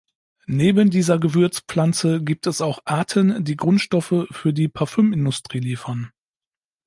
Neben dieser Gewürzpflanze gibt es auch Arten, die Grundstoffe für die Parfümindustrie liefern.